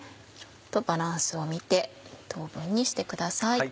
バランスを見て等分にしてください。